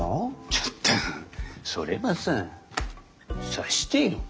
ちょっとそれはさ察してよ。